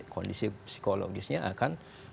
kondisi psikologisnya akan